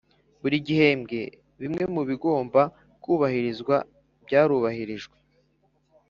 buri gihembwe bimwe mu bigomba kubahirizwa byarubahirijwe